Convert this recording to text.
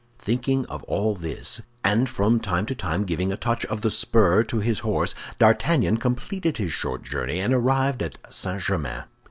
Thinking of all this, and from time to time giving a touch of the spur to his horse, D'Artagnan completed his short journey, and arrived at St. Germain.